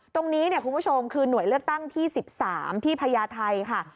คุณผู้ชมคือหน่วยเลือกตั้งที่๑๓ที่พญาไทยค่ะ